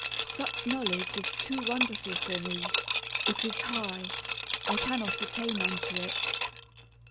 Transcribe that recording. Such knowledge is too wonderful for me ; it is high, I cannot attain unto it.